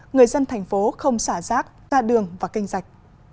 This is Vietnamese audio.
người dân thành phố không xả rác xa đường và canh rạch